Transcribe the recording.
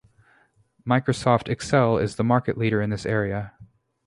Microsoft Excel is the market leader in this area.